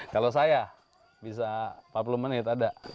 kalau saya bisa empat puluh menit ada